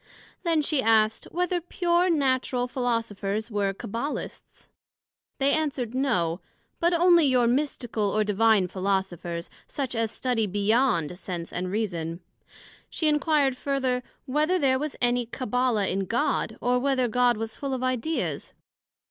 Then she asked, Whether pure Natural Philosophers were Cabbalists? They answered, No; but onely your Mystical or Divine Philosophers, such as study beyond Sense and Reason. she enquired further, Whether there was any Cabbala in God, or whether God was full of Idea's?